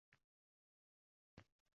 Oilada: